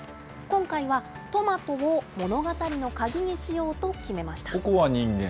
今回は、トマトを物語の鍵にしようと決めました。